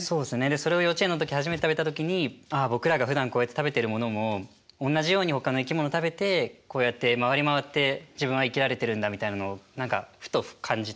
それを幼稚園の時初めて食べた時にああ僕らがふだんこうやって食べてるものもおんなじようにほかの生き物食べてこうやって回り回って自分は生きられてるんだみたいなのを何かふと感じて。